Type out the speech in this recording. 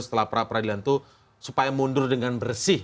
setelah pra peradilan itu supaya mundur dengan bersih